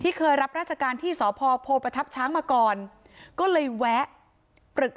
เคยรับราชการที่สพโพประทับช้างมาก่อนก็เลยแวะปรึกษา